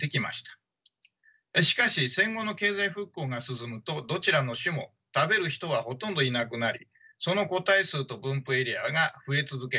しかし戦後の経済復興が進むとどちらの種も食べる人はほとんどいなくなりその個体数と分布エリアが増え続けました。